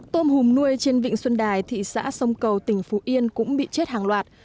tôm hùm nuôi trên vịnh xuân đài thị xã sông cầu tỉnh phú yên cũng bị chết hàng loạt